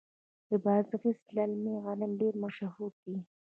د بادغیس للمي غنم ډیر مشهور دي.